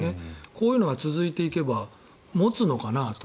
こういうのが続いていけば持つのかなと。